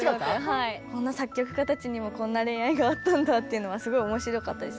こんな作曲家たちにもこんな恋愛があったんだっていうのはすごい面白かったです。